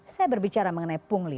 saya berbicara mengenai pungli